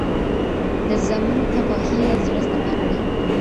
د زامنو تباهي یې زړه ټپي کړ